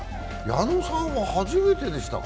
矢野さんは初めてでしたか。